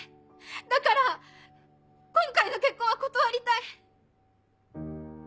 だから今回の結婚は断りたい。